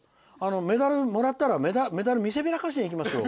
メダルもらったらメダルを見せびらかしに行きますよ。